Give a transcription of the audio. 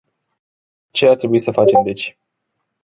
Ce ar trebui să facem deci?